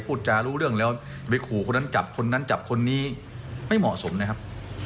พูดจารู้เรื่องแล้วไปขู่คนนั้นจับคนนั้นจับคนนี้ไม่เหมาะสมนะครับ